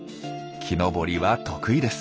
木登りは得意です。